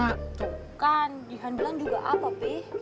tuh kan jihan bilang juga apa peh